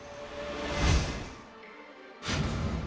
มีความคิดที่ไม่อาจจะเคยรู้